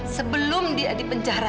sebelum dia di penjara